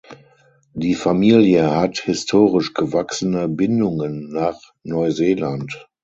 Die Familie hat historisch gewachsene Bindungen nach Neuseeland.